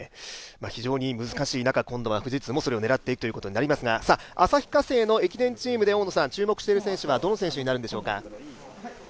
非常に難しい中、今度は富士通もそれを狙っていくということになりますが、旭化成の駅伝チームで注目している選手はどの選手ですか？